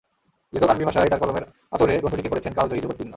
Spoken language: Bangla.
লেখক আরবী ভাষায় তাঁর কলমের আঁচড়ে গ্রন্থটিকে করেছেন কালজয়ী, যুগোত্তীর্ণ।